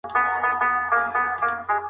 سختې ژبې ستونزې د لوستلو حوصله کموي.